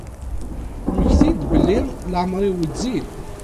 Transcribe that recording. Mmekti-d belli leεmer-iw wezzil.